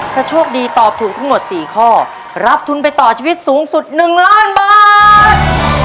ถ้าโชคดีตอบถูกทั้งหมด๔ข้อรับทุนไปต่อชีวิตสูงสุด๑ล้านบาท